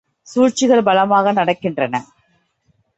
சூழ்ச்சிகள் பலமாக நடக்கின்றன.